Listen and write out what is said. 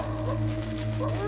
ada ada apa "